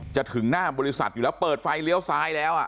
ถึงหน้าบริษัทอยู่แล้วเปิดไฟเลี้ยวซ้ายแล้ว